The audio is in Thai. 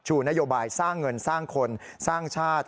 นโยบายสร้างเงินสร้างคนสร้างชาติ